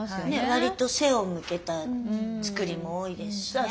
わりと背を向けた造りも多いですしね。